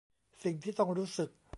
สิ่งที่ต้องรู้สึก